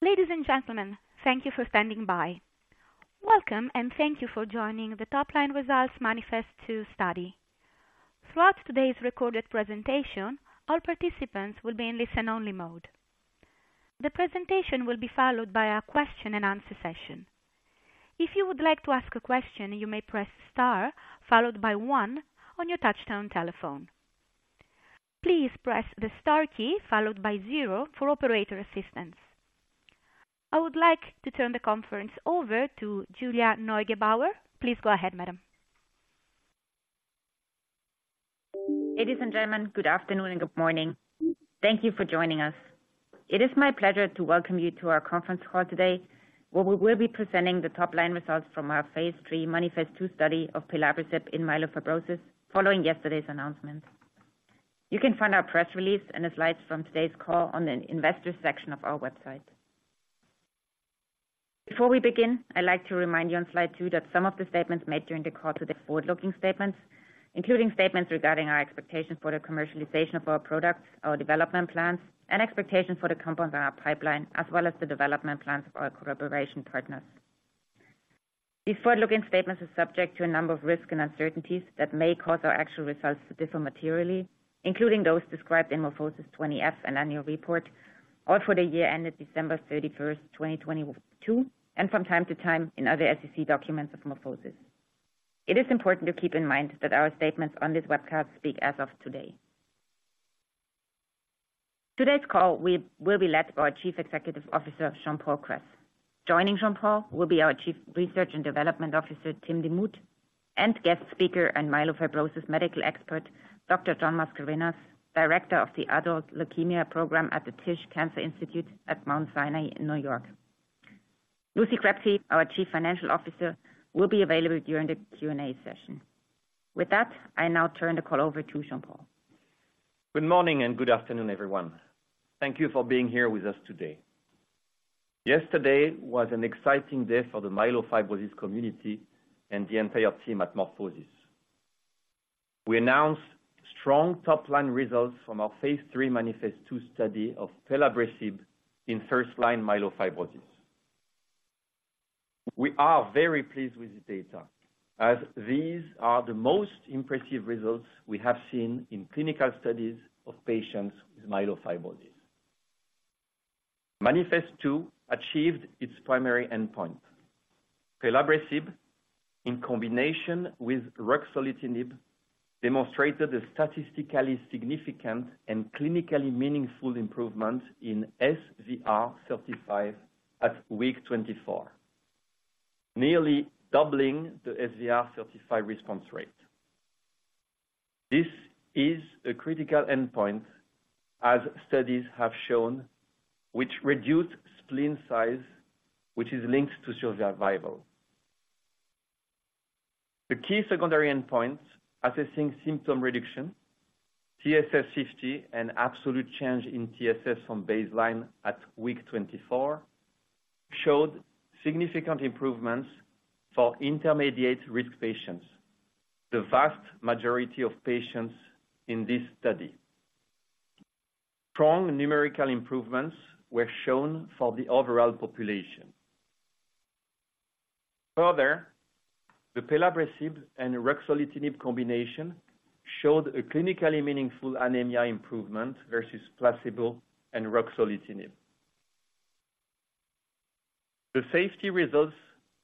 Ladies and gentlemen, thank you for standing by. Welcome, and thank you for joining the top-line results MANIFEST-2 study. Throughout today's recorded presentation, all participants will be in listen-only mode. The presentation will be followed by a question and answer session. If you would like to ask a question, you may press Star, followed by One on your touchtone telephone. Please press the Star key, followed by zero for operator assistance. I would like to turn the conference over to Julia Neugebauer. Please go ahead, madam. Ladies and gentlemen, good afternoon and good morning. Thank you for joining us. It is my pleasure to welcome you to our conference call today, where we will be presenting the top-line results from our phase 3 MANIFEST-2 study of pelabresib in myelofibrosis, following yesterday's announcement. You can find our press release and the slides from today's call on the investor section of our website. Before we begin, I'd like to remind you on slide 2, that some of the statements made during the call today are forward-looking statements, including statements regarding our expectations for the commercialization of our products, our development plans, and expectations for the compounds in our pipeline, as well as the development plans of our collaboration partners. These forward-looking statements are subject to a number of risks and uncertainties that may cause our actual results to differ materially, including those described in MorphoSys' Annual Report on Form 20-F for the year ended December 31, 2022, and from time to time in other SEC documents of MorphoSys. It is important to keep in mind that our statements on this webcast speak as of today. Today's call will be led by our Chief Executive Officer, Jean-Paul Kress. Joining Jean-Paul will be our Chief Research and Development Officer, Tim Demuth, and guest speaker and myelofibrosis medical expert, Dr. John Mascarenhas, Director of the Adult Leukemia Program at the Tisch Cancer Institute at Mount Sinai in New York. Lucy Crabtree, our Chief Financial Officer, will be available during the Q&A session. With that, I now turn the call over to Jean-Paul. Good morning and good afternoon, everyone. Thank you for being here with us today. Yesterday was an exciting day for the myelofibrosis community and the entire team at MorphoSys. We announced strong top-line results from our phase 3 MANIFEST-2 study of pelabresib in first-line myelofibrosis. We are very pleased with the data, as these are the most impressive results we have seen in clinical studies of patients with myelofibrosis. MANIFEST-2 achieved its primary endpoint. pelabresib, in combination with ruxolitinib, demonstrated a statistically significant and clinically meaningful improvement in SVR35 at week 24, nearly doubling the SVR35 response rate. This is a critical endpoint, as studies have shown, which reduced spleen size, which is linked to survival. The key secondary endpoints assessing symptom reduction, TSS50 and absolute change in TSS from baseline at week 24, showed significant improvements for intermediate risk patients, the vast majority of patients in this study. Strong numerical improvements were shown for the overall population. Further, the pelabresib and ruxolitinib combination showed a clinically meaningful anemia improvement versus placebo and ruxolitinib. The safety results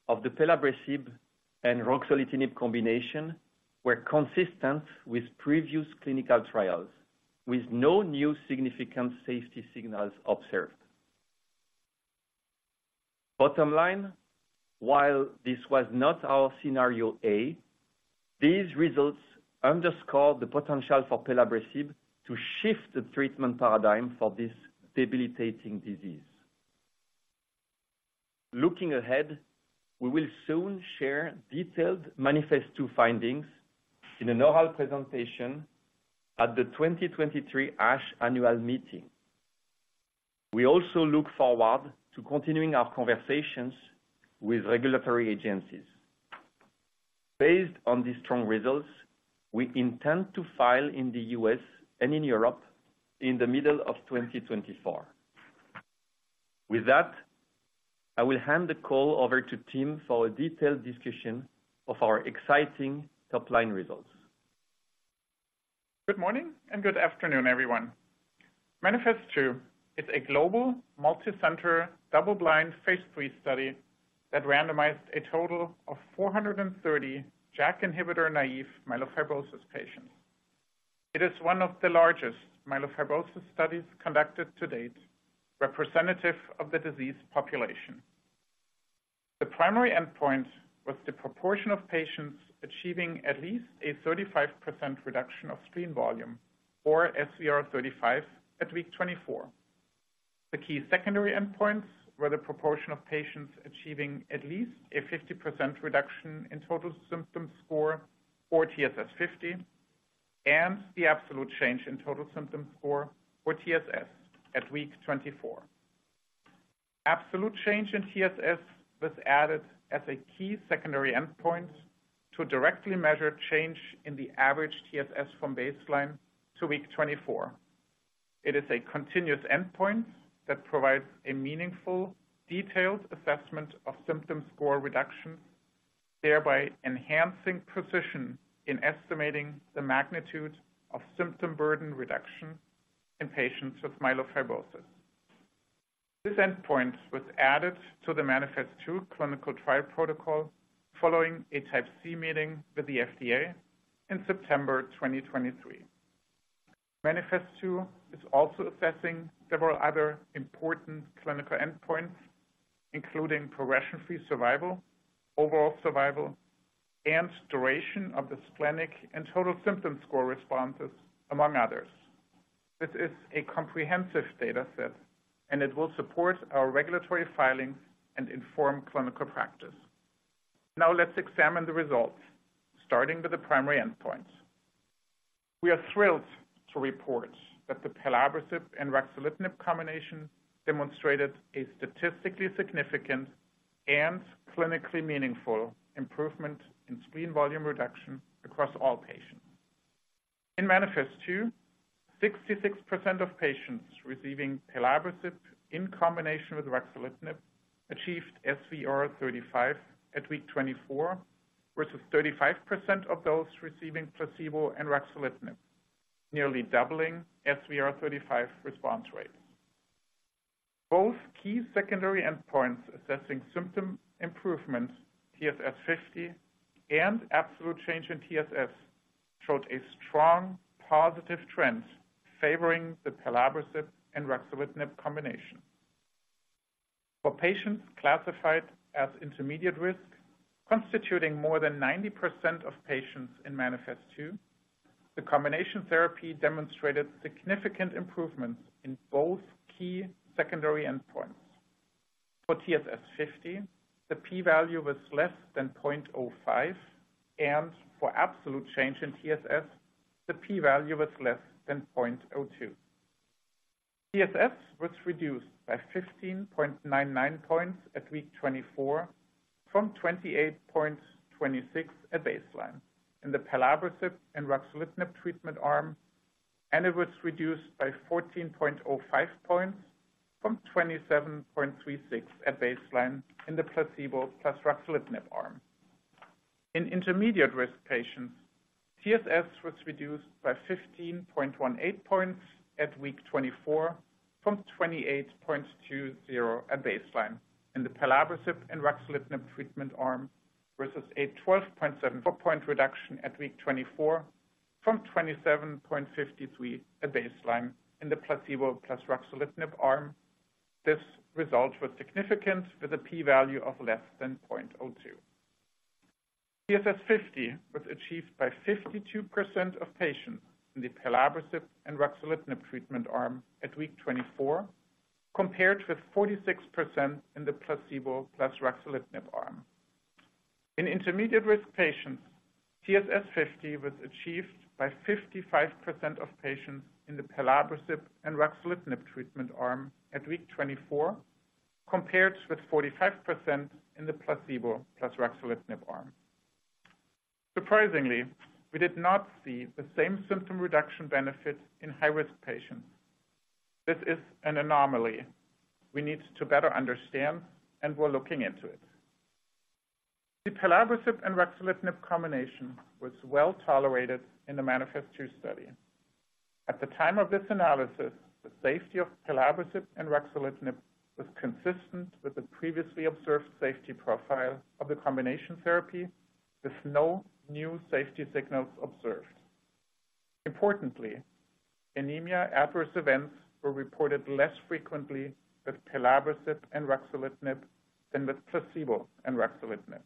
of the pelabresib and ruxolitinib combination were consistent with previous clinical trials, with no new significant safety signals observed. Bottom line, while this was not our scenario A, these results underscore the potential for pelabresib to shift the treatment paradigm for this debilitating disease. Looking ahead, we will soon share detailed MANIFEST-2 findings in an oral presentation at the 2023 ASH annual meeting. We also look forward to continuing our conversations with regulatory agencies. Based on these strong results, we intend to file in the U.S. and in Europe in the middle of 2024. With that, I will hand the call over to Tim for a detailed discussion of our exciting top-line results. Good morning and good afternoon, everyone. MANIFEST-2 is a global, multicenter, double-blind phase 3 study that randomized a total of 430 JAK inhibitor-naive myelofibrosis patients. It is one of the largest myelofibrosis studies conducted to date, representative of the disease population. The primary endpoint was the proportion of patients achieving at least a 35% reduction of spleen volume, or SVR35, at week 24. The key secondary endpoints were the proportion of patients achieving at least a 50% reduction in total symptom score, or TSS50, and the absolute change in total symptom score, or TSS, at week 24. Absolute change in TSS was added as a key secondary endpoint to directly measure change in the average TSS from baseline to week 24. It is a continuous endpoint that provides a meaningful, detailed assessment of symptom score reduction, thereby enhancing precision in estimating the magnitude of symptom burden reduction in patients with myelofibrosis. This endpoint was added to the MANIFEST-2 clinical trial protocol following a Type C meeting with the FDA in September 2023. MANIFEST-2 is also assessing several other important clinical endpoints, including progression-free survival, overall survival, and duration of the splenic and total symptom score responses, among others. This is a comprehensive data set, and it will support our regulatory filing and inform clinical practice. Now let's examine the results, starting with the primary endpoint. We are thrilled to report that the pelabresib and ruxolitinib combination demonstrated a statistically significant and clinically meaningful improvement in spleen volume reduction across all patients. In MANIFEST-2, 66% of patients receiving pelabresib in combination with ruxolitinib achieved SVR35 at week 24, versus 35% of those receiving placebo and ruxolitinib, nearly doubling SVR35 response rate. Both key secondary endpoints assessing symptom improvements, TSS50 and absolute change in TSS, showed a strong positive trend favoring the pelabresib and ruxolitinib combination. For patients classified as intermediate risk, constituting more than 90% of patients in MANIFEST-2, the combination therapy demonstrated significant improvements in both key secondary endpoints. For TSS50, the P value was less than 0.05, and for absolute change in TSS, the P value was less than 0.02. TSS was reduced by 15.99 points at week 24 from 28.26 at baseline in the pelabresib and ruxolitinib treatment arm, and it was reduced by 14.05 points from 27.36 at baseline in the placebo plus ruxolitinib arm. In intermediate-risk patients, TSS was reduced by 15.18 points at week 24 from 28.20 at baseline in the pelabresib and ruxolitinib treatment arm, versus a 12.74-point reduction at week 24 from 27.53 at baseline in the placebo plus ruxolitinib arm. This result was significant, with a P value of less than 0.02. TSS50 was achieved by 52% of patients in the pelabresib and ruxolitinib treatment arm at week 24, compared with 46% in the placebo plus ruxolitinib arm. In intermediate-risk patients, TSS50 was achieved by 55% of patients in the pelabresib and ruxolitinib treatment arm at week 24, compared with 45% in the placebo plus ruxolitinib arm. Surprisingly, we did not see the same symptom reduction benefit in high-risk patients. This is an anomaly we need to better understand, and we're looking into it. The pelabresib and ruxolitinib combination was well tolerated in the MANIFEST-2 study. At the time of this analysis, the safety of pelabresib and ruxolitinib was consistent with the previously observed safety profile of the combination therapy, with no new safety signals observed. Importantly, anemia adverse events were reported less frequently with pelabresib and ruxolitinib than with placebo and ruxolitinib.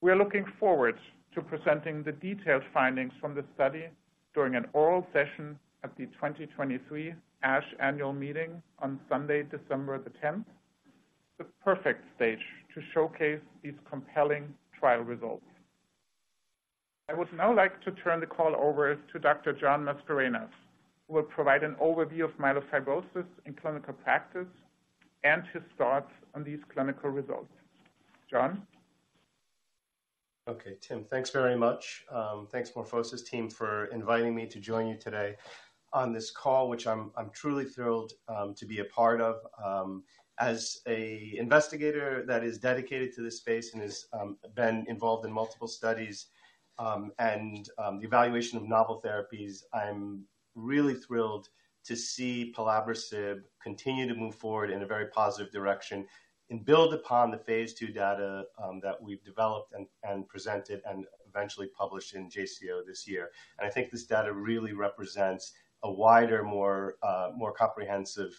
We are looking forward to presenting the detailed findings from this study during an oral session at the 2023 ASH Annual Meeting on Sunday, December 10, the perfect stage to showcase these compelling trial results. I would now like to turn the call over to Dr. John Mascarenhas, who will provide an overview of myelofibrosis in clinical practice and his thoughts on these clinical results. John? Okay, Tim, thanks very much. Thanks, MorphoSys team, for inviting me to join you today on this call, which I'm truly thrilled to be a part of. As an investigator that is dedicated to this space and has been involved in multiple studies and the evaluation of novel therapies, I'm really thrilled to see pelabresib continue to move forward in a very positive direction and build upon the phase 2 data that we've developed and presented and eventually published in JCO this year. And I think this data really represents a wider, more comprehensive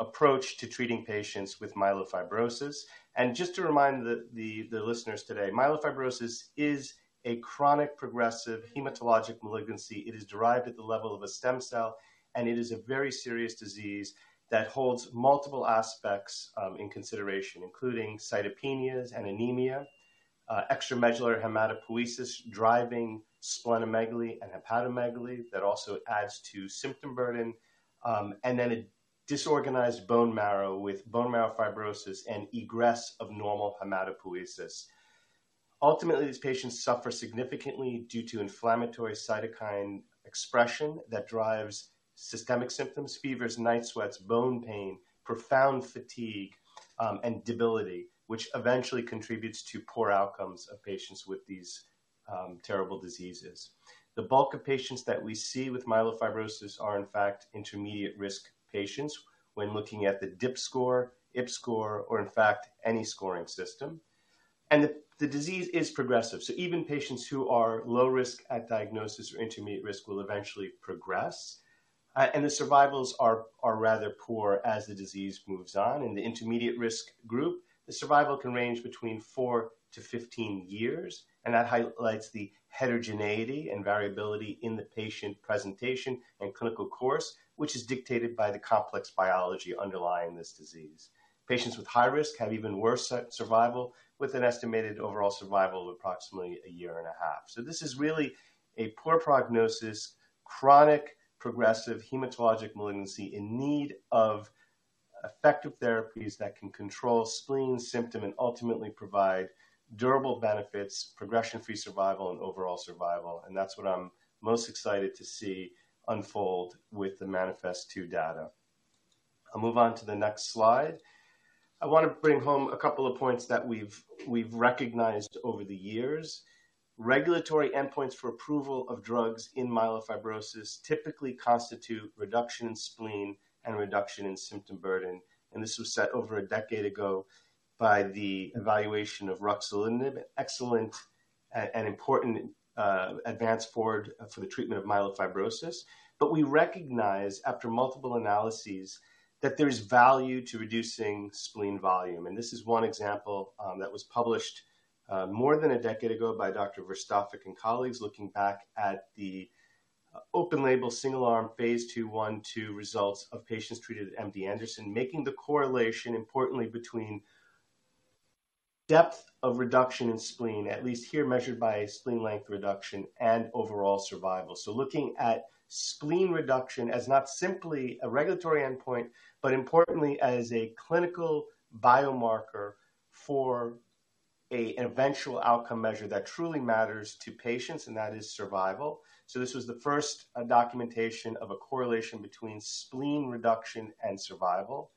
approach to treating patients with myelofibrosis. And just to remind the listeners today, myelofibrosis is a chronic, progressive hematologic malignancy. It is derived at the level of a stem cell, and it is a very serious disease that holds multiple aspects in consideration, including cytopenias and anemia, extramedullary hematopoiesis, driving splenomegaly and hepatomegaly. That also adds to symptom burden, and then a disorganized bone marrow with bone marrow fibrosis and egress of normal hematopoiesis. Ultimately, these patients suffer significantly due to inflammatory cytokine expression that drives systemic symptoms, fevers, night sweats, bone pain, profound fatigue, and debility, which eventually contributes to poor outcomes of patients with these terrible diseases. The bulk of patients that we see with myelofibrosis are, in fact, intermediate-risk patients when looking at the DIPSS score, IPSS score, or in fact, any scoring system. And the disease is progressive, so even patients who are low risk at diagnosis or intermediate risk will eventually progress. And the survivals are rather poor as the disease moves on. In the intermediate-risk group, the survival can range between 4-15 years, and that highlights the heterogeneity and variability in the patient presentation and clinical course, which is dictated by the complex biology underlying this disease. Patients with high risk have even worse survival, with an estimated overall survival of approximately 1.5 years. So this is really a poor prognosis, chronic progressive hematologic malignancy in need of effective therapies that can control spleen symptom and ultimately provide durable benefits, progression-free survival, and overall survival. And that's what I'm most excited to see unfold with the MANIFEST-2 data. I'll move on to the next slide. I want to bring home a couple of points that we've recognized over the years. Regulatory endpoints for approval of drugs in myelofibrosis typically constitute reduction in spleen and reduction in symptom burden. This was set over a decade ago by the evaluation of ruxolitinib, excellent and important advance forward, for the treatment of myelofibrosis. We recognize, after multiple analyses, that there's value to reducing spleen volume, and this is one example, that was published, more than a decade ago by Dr. Verstovsek and colleagues, looking back at the open-label, single-arm, phase I/II results of patients treated at MD Anderson, making the correlation importantly between depth of reduction in spleen, at least here, measured by spleen length reduction and overall survival. Looking at spleen reduction as not simply a regulatory endpoint, but importantly as a clinical biomarker for an eventual outcome measure that truly matters to patients, and that is survival. So this was the first documentation of a correlation between spleen reduction and survival.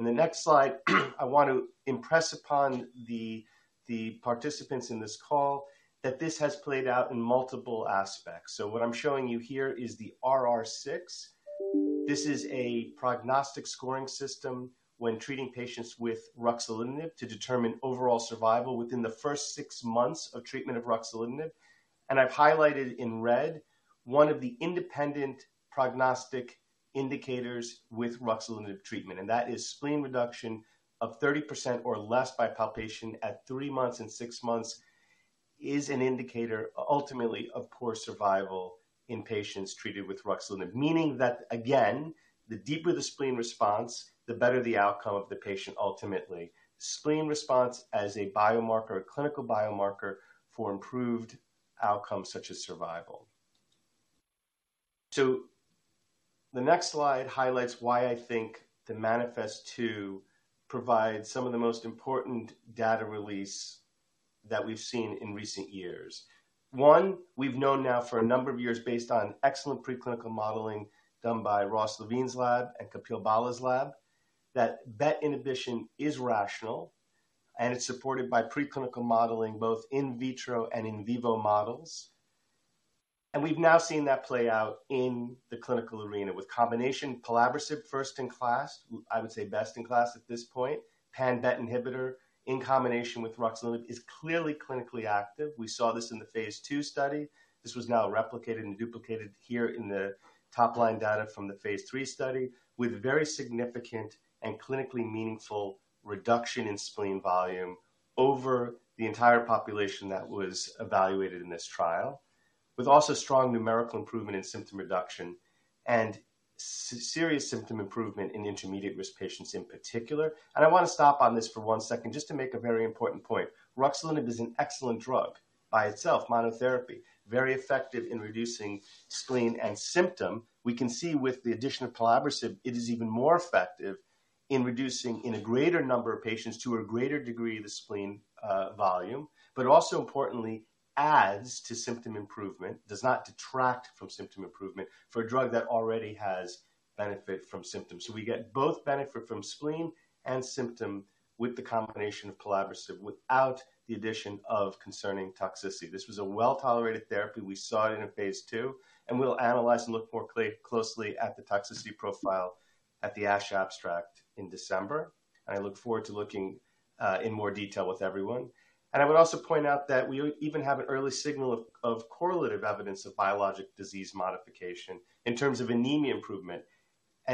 In the next slide, I want to impress upon the participants in this call that this has played out in multiple aspects. So what I'm showing you here is the RR6. This is a prognostic scoring system when treating patients with ruxolitinib to determine overall survival within the first 6 months of treatment of ruxolitinib. And I've highlighted in red, one of the independent prognostic indicators with ruxolitinib treatment, and that is spleen reduction of 30% or less by palpation at 3 months and 6 months, is an indicator ultimately of poor survival in patients treated with ruxolitinib. Meaning that, again, the deeper the spleen response, the better the outcome of the patient ultimately. Spleen response as a biomarker, a clinical biomarker for improved outcomes such as survival. So the next slide highlights why I think the MANIFEST-2 provides some of the most important data release that we've seen in recent years. One, we've known now for a number of years, based on excellent preclinical modeling done by Ross Levine's lab and Kapil Bhalla's lab, that BET inhibition is rational, and it's supported by preclinical modeling, both in vitro and in vivo models. And we've now seen that play out in the clinical arena with combination pelabresib first in class, I would say best in class at this point. Pan BET inhibitor in combination with ruxolitinib is clearly clinically active. We saw this in the phase II study. This was now replicated and duplicated here in the top-line data from the phase III study, with very significant and clinically meaningful reduction in spleen volume over the entire population that was evaluated in this trial. With also strong numerical improvement in symptom reduction and serious symptom improvement in intermediate-risk patients in particular. And I want to stop on this for one second just to make a very important point. Ruxolitinib is an excellent drug by itself, monotherapy, very effective in reducing spleen and symptom. We can see with the addition of pelabresib, it is even more effective in reducing, in a greater number of patients to a greater degree, the spleen, volume. But also importantly, adds to symptom improvement, does not detract from symptom improvement, for a drug that already has benefit from symptoms. So we get both benefit from spleen and symptom with the combination of pelabresib without the addition of concerning toxicity. This was a well-tolerated therapy. We saw it in a phase II, and we'll analyze and look more closely at the toxicity profile at the ASH abstract in December. I look forward to looking in more detail with everyone. I would also point out that we even have an early signal of correlative evidence of biologic disease modification in terms of anemia improvement.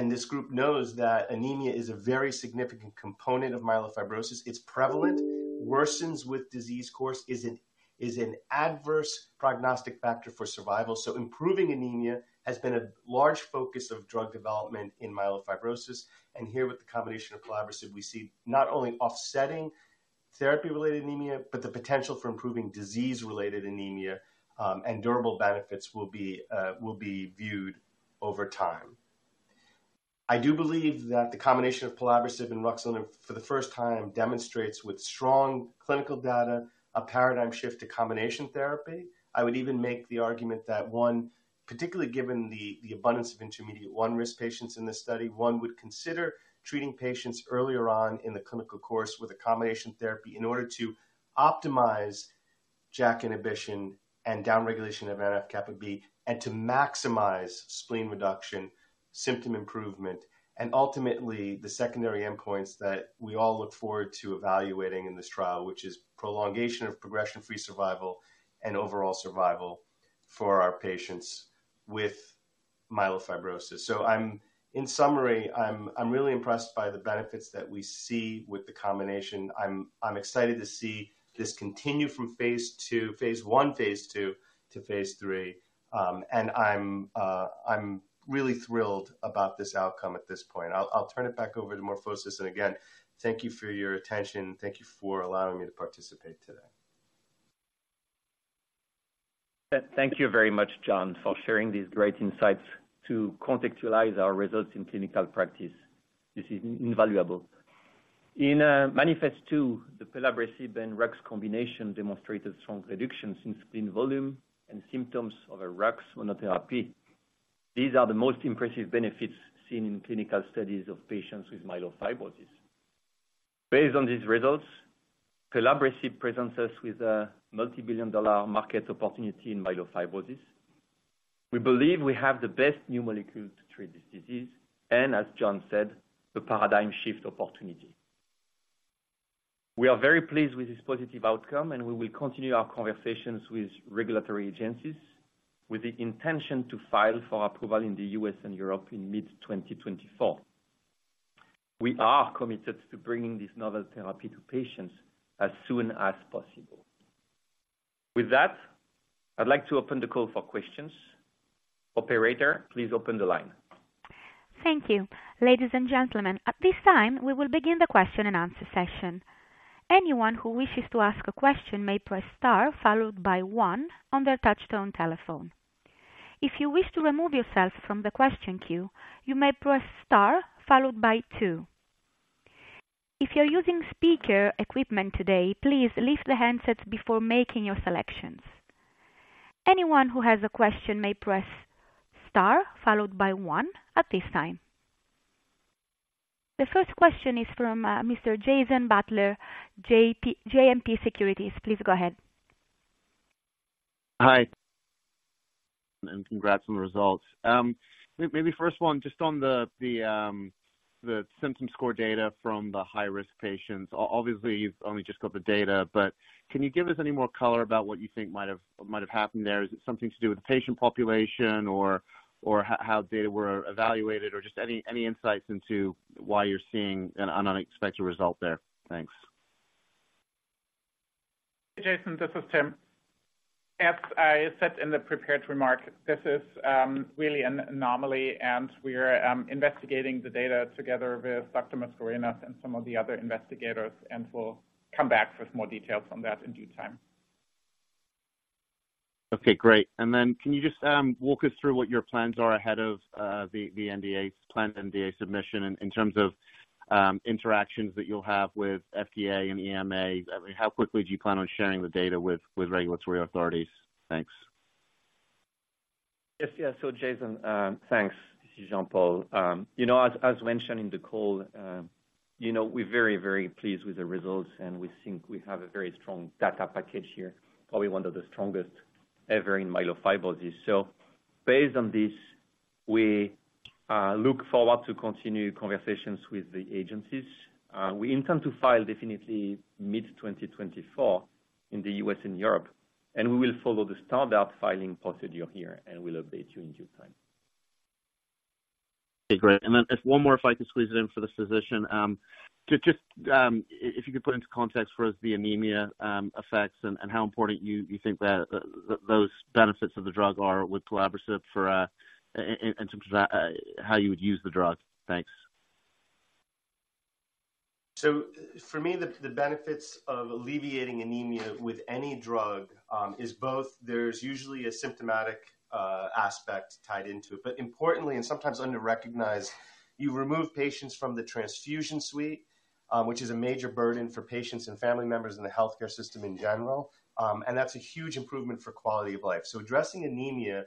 This group knows that anemia is a very significant component of myelofibrosis. It's prevalent, worsens with disease course, is an adverse prognostic factor for survival. So improving anemia has been a large focus of drug development in myelofibrosis, and here with the combination of pelabresib, we see not only offsetting therapy-related anemia, but the potential for improving disease-related anemia, and durable benefits will be viewed over time. I do believe that the combination of pelabresib and ruxolitinib, for the first time, demonstrates with strong clinical data, a paradigm shift to combination therapy. I would even make the argument that one, particularly given the abundance of intermediate-1 risk patients in this study, one would consider treating patients earlier on in the clinical course with a combination therapy in order to optimize JAK inhibition and downregulation of NF-kappa B, and to maximize spleen reduction, symptom improvement, and ultimately, the secondary endpoints that we all look forward to evaluating in this trial, which is prolongation of progression-free survival and overall survival for our patients with myelofibrosis. So I'm in summary, I'm really impressed by the benefits that we see with the combination. I'm excited to see this continue from phase 2, phase 1, phase 2 to phase 3. I'm really thrilled about this outcome at this point. I'll turn it back over to MorphoSys. Again, thank you for your attention. Thank you for allowing me to participate today. Thank you very much, John, for sharing these great insights to contextualize our results in clinical practice. This is invaluable. In MANIFEST-2, the pelabresib and Rux combination demonstrated strong reductions in spleen volume and symptoms over Rux monotherapy. These are the most impressive benefits seen in clinical studies of patients with myelofibrosis. Based on these results, pelabresib presents us with a multi-billion dollar market opportunity in myelofibrosis. We believe we have the best new molecule to treat this disease, and as John said, the paradigm shift opportunity. We are very pleased with this positive outcome, and we will continue our conversations with regulatory agencies with the intention to file for approval in the US and Europe in mid-2024. We are committed to bringing this novel therapy to patients as soon as possible. With that, I'd like to open the call for questions. Operator, please open the line. Thank you. Ladies and gentlemen, at this time, we will begin the question and answer session. Anyone who wishes to ask a question may press star, followed by one on their touchtone telephone. If you wish to remove yourself from the question queue, you may press star followed by two. If you're using speaker equipment today, please lift the handsets before making your selections. Anyone who has a question may press star followed by one at this time. The first question is from Mr. Jason Butler, JMP Securities. Please go ahead. Hi, and congrats on the results. Maybe first of all, just on the symptom score data from the high-risk patients. Obviously, you've only just got the data, but can you give us any more color about what you think might have happened there? Is it something to do with the patient population or how data were evaluated, or just any insights into why you're seeing an unexpected result there? Thanks. Jason, this is Tim. As I said in the prepared remarks, this is really an anomaly, and we are investigating the data together with Dr. Mascarenhas and some of the other investigators, and we'll come back with more details on that in due time. Okay, great. And then can you just walk us through what your plans are ahead of the NDA, planned NDA submission in terms of interactions that you'll have with FDA and EMA? I mean, how quickly do you plan on sharing the data with regulatory authorities? Thanks. Yes, yes. So, Jason, thanks. This is Jean-Paul. You know, as mentioned in the call, you know, we're very, very pleased with the results, and we think we have a very strong data package here, probably one of the strongest ever in myelofibrosis. So based on this, we look forward to continue conversations with the agencies. We intend to file definitely mid-2024 in the U.S. and Europe, and we will follow the standard filing procedure here, and we'll update you in due time. Okay, great. And then just one more, if I could squeeze it in for this physician. If you could put into context for us the anemia effects and how important you think that those benefits of the drug are with pelabresib in terms of how you would use the drug? Thanks. So for me, the benefits of alleviating anemia with any drug is both there's usually a symptomatic aspect tied into it, but importantly, and sometimes underrecognized, you remove patients from the transfusion suite, which is a major burden for patients and family members in the healthcare system in general. And that's a huge improvement for quality of life. So addressing anemia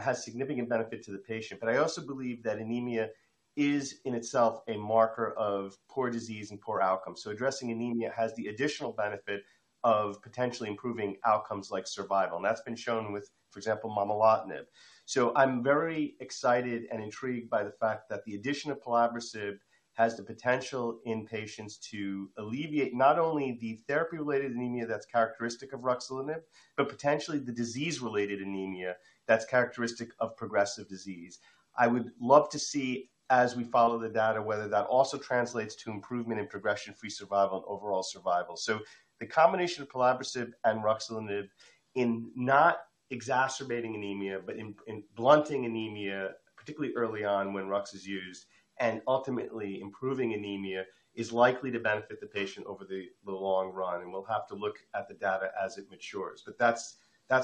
has significant benefit to the patient. But I also believe that anemia is in itself a marker of poor disease and poor outcome. So addressing anemia has the additional benefit of potentially improving outcomes like survival. And that's been shown with, for example, momelotinib. So I'm very excited and intrigued by the fact that the addition of pelabresib has the potential in patients to alleviate not only the therapy-related anemia that's characteristic of ruxolitinib, but potentially the disease-related anemia that's characteristic of progressive disease. I would love to see, as we follow the data, whether that also translates to improvement in progression-free survival and overall survival. So-... The combination of pelabresib and ruxolitinib in not exacerbating anemia, but in blunting anemia, particularly early on when Rux is used, and ultimately improving anemia, is likely to benefit the patient over the long run, and we'll have to look at the data as it matures. But that's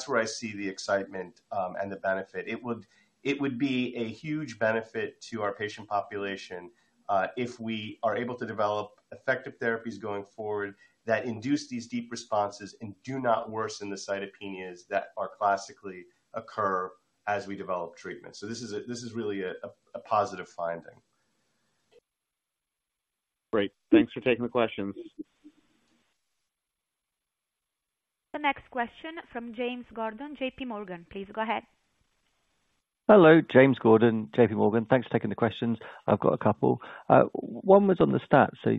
where I see the excitement and the benefit. It would be a huge benefit to our patient population, if we are able to develop effective therapies going forward that induce these deep responses and do not worsen the cytopenias that classically occur as we develop treatment. So this is really a positive finding. Great. Thanks for taking the questions. The next question from James Gordon, JP Morgan. Please go ahead. Hello, James Gordon, JP Morgan. Thanks for taking the questions. I've got a couple. One was on the stats. So,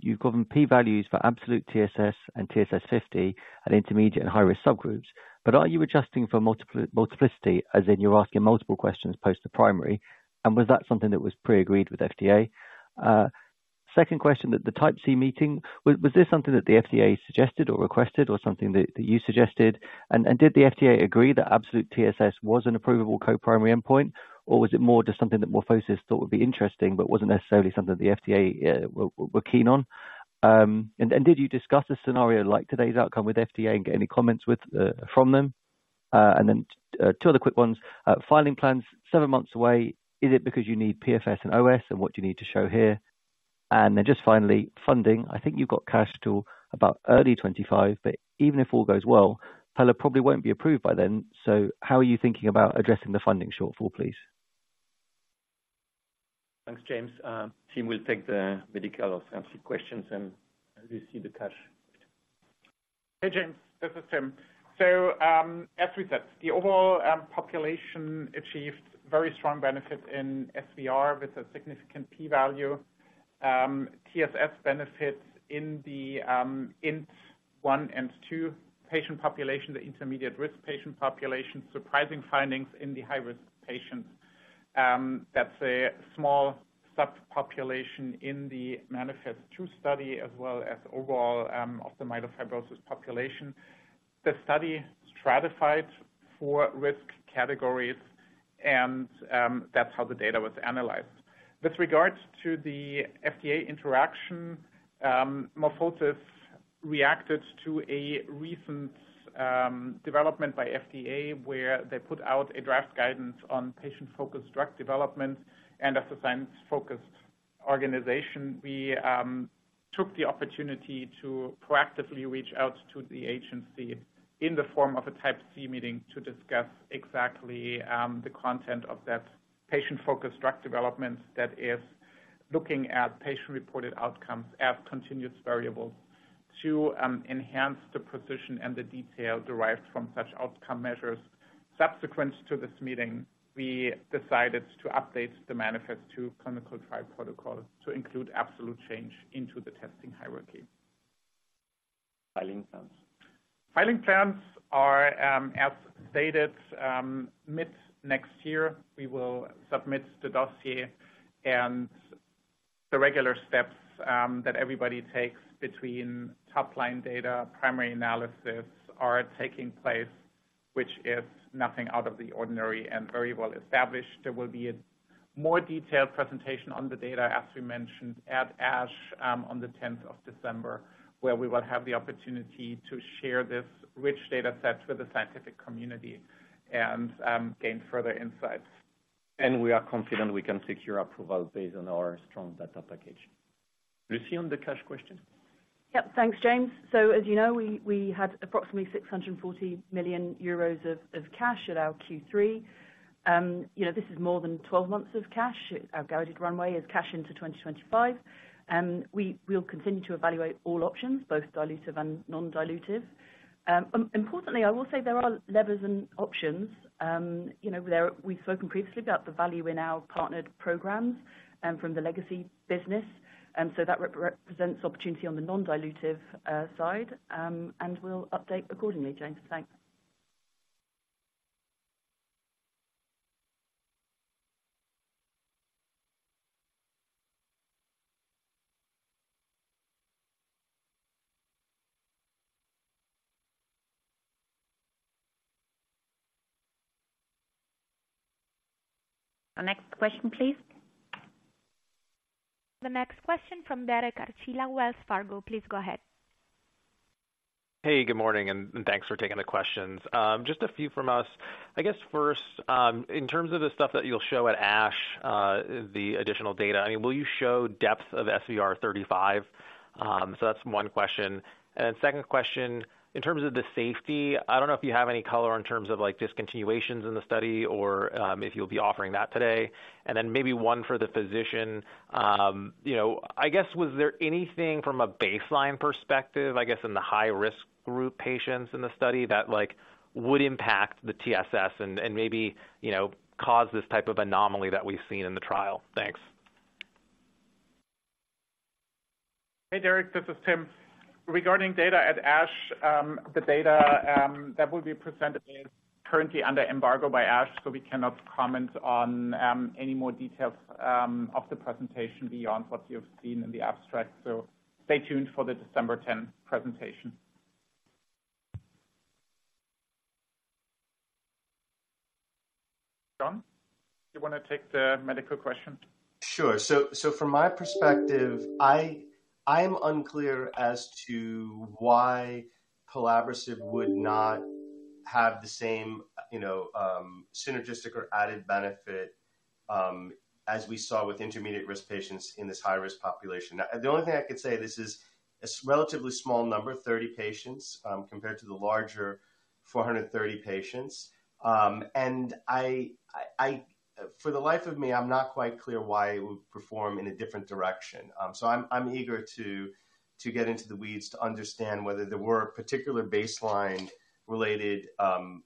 you've gotten p-values for absolute TSS and TSS50 at intermediate- and high-risk subgroups, but are you adjusting for multiplicity, as in you're asking multiple questions post the primary? And was that something that was pre-agreed with FDA? Second question, the Type C meeting, was this something that the FDA suggested or requested or something that you suggested? And did the FDA agree that absolute TSS was an approvable co-primary endpoint, or was it more just something that MorphoSys thought would be interesting, but wasn't necessarily something that the FDA were keen on? And did you discuss a scenario like today's outcome with FDA and get any comments from them? And then, two other quick ones. Filing plans seven months away, is it because you need PFS and OS, and what do you need to show here? And then just finally, funding. I think you've got cash till about early 2025, but even if all goes well, pelabresib probably won't be approved by then. So how are you thinking about addressing the funding shortfall, please? Thanks, James. Tim will take the medical and scientific questions, and we see the cash. Hey, James, this is Tim. So, as we said, the overall population achieved very strong benefits in SVR with a significant p-value. TSS benefits in the INT-1 and INT-2 patient population, the intermediate risk patient population, surprising findings in the high-risk patients. That's a small subpopulation in the MANIFEST-2 study, as well as overall of the myelofibrosis population. The study stratified 4 risk categories, and that's how the data was analyzed. With regards to the FDA interaction, MorphoSys reacted to a recent development by FDA, where they put out a draft guidance on patient-focused drug development, and as a science-focused organization, we took the opportunity to proactively reach out to the agency in the form of a Type C meeting, to discuss exactly the content of that patient-focused drug development, that is looking at patient-reported outcomes as continuous variables to enhance the precision and the detail derived from such outcome measures. Subsequent to this meeting, we decided to update the MANIFEST-2 clinical trial protocol to include absolute change into the testing hierarchy. Filing plans. Filing plans are, as stated, mid-next year. We will submit the dossier and the regular steps, that everybody takes between top-line data, primary analysis, are taking place, which is nothing out of the ordinary and very well established. There will be a more detailed presentation on the data, as we mentioned, at ASH, on the tenth of December, where we will have the opportunity to share this rich data sets with the scientific community and, gain further insights. We are confident we can secure approval based on our strong data package. Lucy, on the cash question? Yep. Thanks, James. So as you know, we had approximately 640,000,000 euros of cash at our Q3. You know, this is more than 12 months of cash. Our guided runway is cash into 2025, and we'll continue to evaluate all options, both dilutive and non-dilutive. Importantly, I will say there are levers and options, you know, we've spoken previously about the value in our partnered programs, from the legacy business. And so that represents opportunity on the non-dilutive side, and we'll update accordingly, James. Thanks. The next question, please. The next question from Derek Archila, Wells Fargo. Please go ahead. Hey, good morning, and thanks for taking the questions. Just a few from us. I guess first, in terms of the stuff that you'll show at ASH, the additional data, I mean, will you show depth of SVR35? So that's one question. And second question, in terms of the safety, I don't know if you have any color in terms of, like, discontinuations in the study or, if you'll be offering that today. And then maybe one for the physician, you know, I guess, was there anything from a baseline perspective, I guess, in the high-risk group patients in the study that, like, would impact the TSS and, maybe, you know, cause this type of anomaly that we've seen in the trial? Thanks. Hey, Derek, this is Tim. Regarding data at ASH, the data that will be presented is currently under embargo by ASH, so we cannot comment on any more details of the presentation beyond what you've seen in the abstract. So stay tuned for the December tenth presentation. John, you want to take the medical question? Sure. So from my perspective, I'm unclear as to why pelabresib would not have the same, you know, synergistic or added benefit, as we saw with intermediate-risk patients in this high-risk population. Now, the only thing I could say, this is a relatively small number, 30 patients, compared to the larger 430 patients. And I for the life of me, I'm not quite clear why it would perform in a different direction. So I'm eager to get into the weeds to understand whether there were particular baseline-related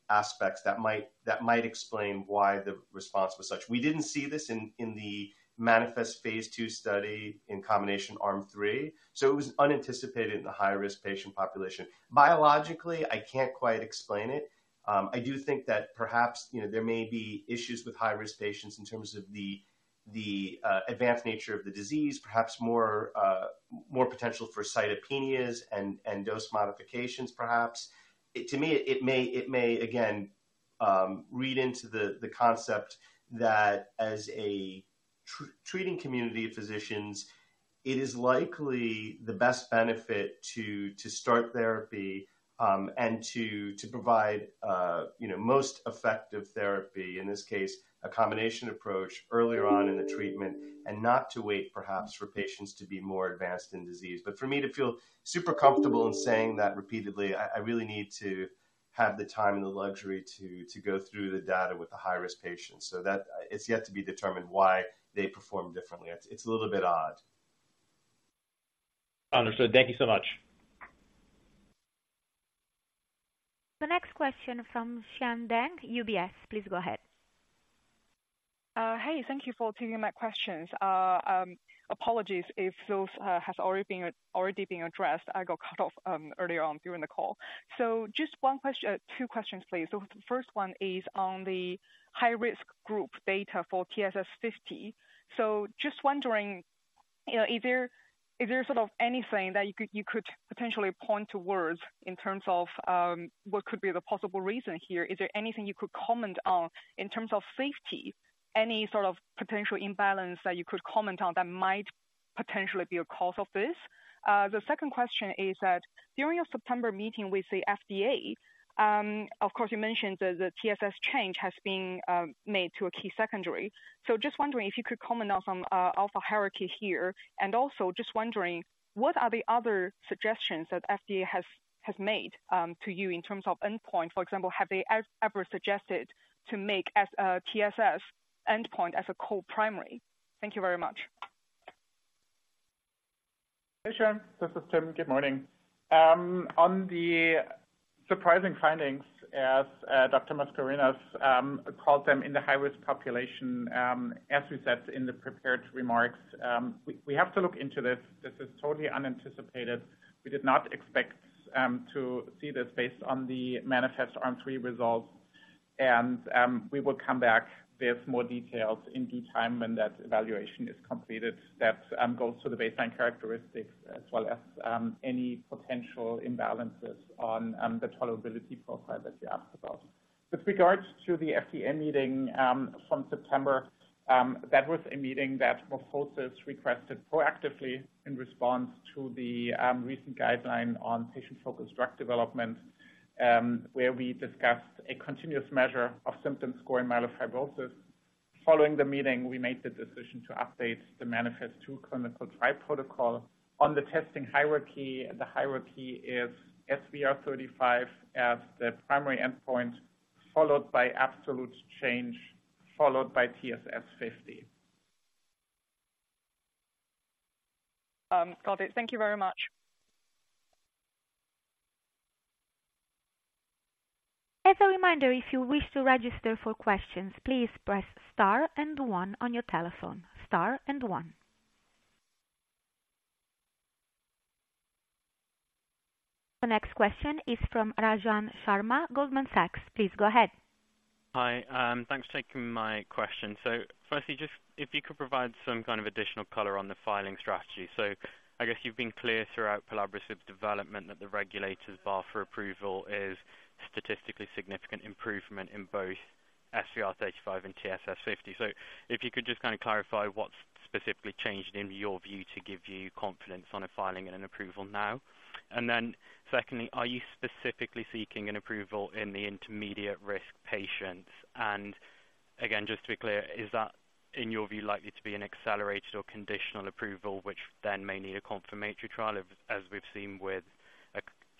aspects that might explain why the response was such. We didn't see this in the MANIFEST-2 phase 2 study in combination Arm 3, so it was unanticipated in the high-risk patient population. Biologically, I can't quite explain it. I do think that perhaps, you know, there may be issues with high-risk patients in terms of the advanced nature of the disease, perhaps more potential for cytopenias and dose modifications, perhaps. To me, it may, again, read into the concept that as a treating community of physicians, it is likely the best benefit to start therapy and to provide, you know, most effective therapy, in this case, a combination approach earlier on in the treatment, and not to wait perhaps for patients to be more advanced in disease. But for me to feel super comfortable in saying that repeatedly, I really need to have the time and the luxury to go through the data with the high-risk patients, so that it's yet to be determined why they perform differently. It's a little bit odd. Understood. Thank you so much. The next question from Xian Deng, UBS. Please go ahead. Hey, thank you for taking my questions. Apologies if those has already been addressed. I got cut off earlier on during the call. So just one question- two questions, please. So the first one is on the high-risk group data for TSS50. So just wondering, you know, is there sort of anything that you could potentially point towards in terms of what could be the possible reason here? Is there anything you could comment on in terms of safety, any sort of potential imbalance that you could comment on that might potentially be a cause of this? The second question is that during your September meeting with the FDA, of course, you mentioned that the TSS change has been made to a key secondary. So just wondering if you could comment on alpha hierarchy here, and also just wondering, what are the other suggestions that FDA has made to you in terms of endpoint? For example, have they ever suggested to make SVR TSS endpoint as a co-primary? Thank you very much. Hey, Xian, this is Tim. Good morning. On the surprising findings, as Dr. Mascarenhas called them in the high-risk population, as we said in the prepared remarks, we, we have to look into this. This is totally unanticipated. We did not expect to see this based on the MANIFEST-2 Arm 3 results, and we will come back with more details in due time when that evaluation is completed. That goes to the baseline characteristics as well as any potential imbalances on the tolerability profile that you asked about. With regards to the FDA meeting from September, that was a meeting that MorphoSys requested proactively in response to the recent guideline on patient-focused drug development, where we discussed a continuous measure of symptom score in myelofibrosis. Following the meeting, we made the decision to update the MANIFEST-2 clinical trial protocol. On the testing hierarchy, the hierarchy is SVR35 as the primary endpoint, followed by absolute change, followed by TSS50. Got it. Thank you very much. As a reminder, if you wish to register for questions, please press Star and One on your telephone. Star and One. The next question is from Rajan Sharma, Goldman Sachs. Please go ahead. Hi, thanks for taking my question. So firstly, just if you could provide some kind of additional color on the filing strategy. So I guess you've been clear throughout collaborative development that the regulator's bar for approval is statistically significant improvement in both SVR35 and TSS50. So if you could just kind of clarify what specifically changed in your view to give you confidence on a filing and an approval now? And then secondly, are you specifically seeking an approval in the intermediate-risk patients? And again, just to be clear, is that, in your view, likely to be an accelerated or conditional approval, which then may need a confirmatory trial, as we've seen with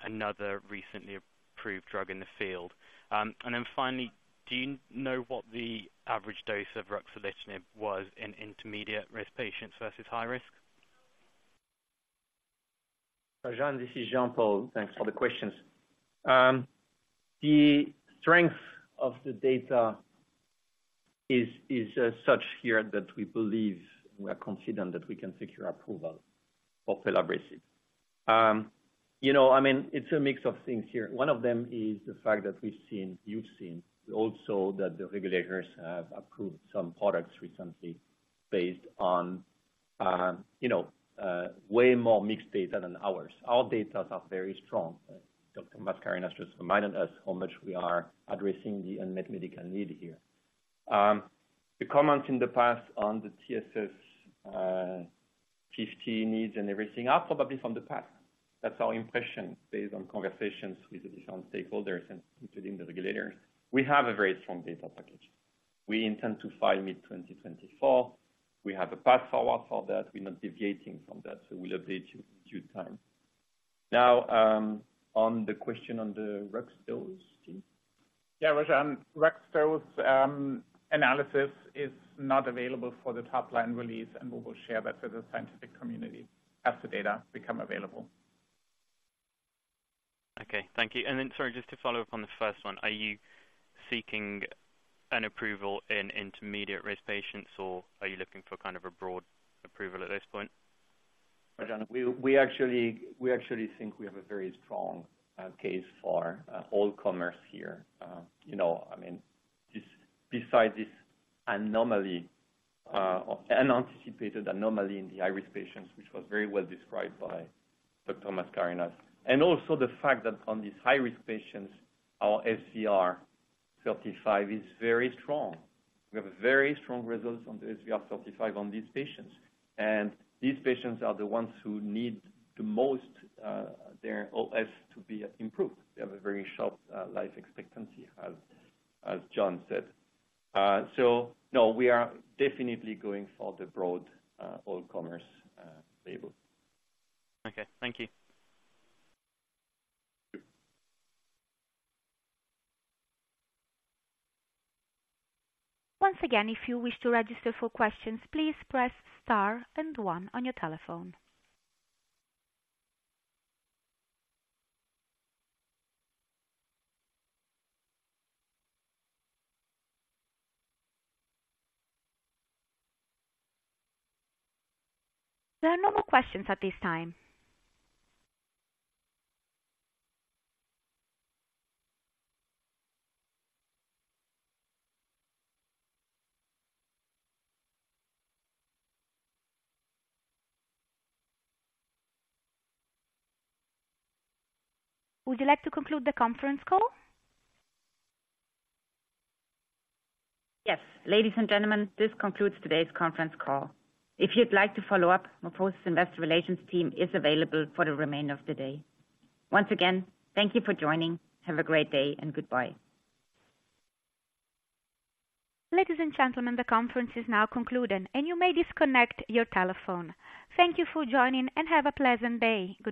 another recently approved drug in the field? And then finally, do you know what the average dose of ruxolitinib was in intermediate-risk patients versus high risk? Rajan, this is Jean-Paul. Thanks for the questions. The strength of the data is such here that we believe we are confident that we can secure approval of pelabresib. You know, I mean, it's a mix of things here. One of them is the fact that we've seen, you've seen also that the regulators have approved some products recently based on, you know, way more mixed data than ours. Our datas are very strong. Dr. Mascarenhas just reminded us how much we are addressing the unmet medical need here. The comments in the past on the TSS, 15 needs and everything are probably from the past. That's our impression, based on conversations with the different stakeholders and including the regulators. We have a very strong data package. We intend to file mid-2024. We have a path forward for that. We're not deviating from that, so we'll update you in due time. Now, on the question on the rux dose, team? Yeah, Rajan, Rux dose analysis is not available for the top line release, and we will share that with the scientific community as the data become available. Okay, thank you. And then, sorry, just to follow up on the first one. Are you seeking an approval in intermediate-risk patients, or are you looking for kind of a broad approval at this point? John, we actually think we have a very strong case for all comers here. You know, I mean, just besides this anomaly, unanticipated anomaly in the high-risk patients, which was very well described by Dr. Mascarenhas. And also the fact that on these high-risk patients, our SVR-35 is very strong. We have a very strong results on the SVR-35 on these patients, and these patients are the ones who need the most their OS to be improved. They have a very short life expectancy, as John said. So no, we are definitely going for the broad all comers label. Okay, thank you. Once again, if you wish to register for questions, please press star and one on your telephone. There are no more questions at this time. Would you like to conclude the conference call? Yes. Ladies and gentlemen, this concludes today's conference call. If you'd like to follow up, MorphoSys Investor Relations team is available for the remainder of the day. Once again, thank you for joining. Have a great day and goodbye. Ladies and gentlemen, the conference is now concluded, and you may disconnect your telephone. Thank you for joining, and have a pleasant day. Goodbye.